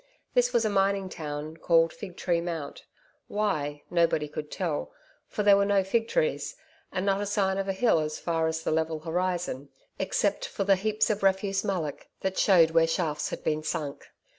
This was a mining town called Fig Tree Mount why, nobody could tell, for there were no fig trees, and not a sign of a hill as far as the level horizon except for the heaps of refuse mullock that showed where shafts had been sunk.